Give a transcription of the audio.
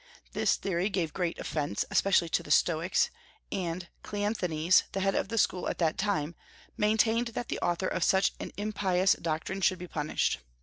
This theory gave great offence, especially to the Stoics; and Cleanthes, the head of the school at that time, maintained that the author of such an impious doctrine should be punished.